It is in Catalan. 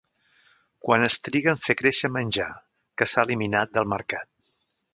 Quan es triga en fer créixer menjar; que s'ha eliminat del mercat.